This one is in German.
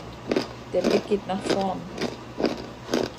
Der Blick geht nach vorn.